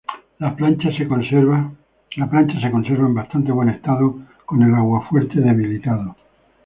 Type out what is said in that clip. La plancha se conserva en bastante buen estado con el aguafuerte debilitado.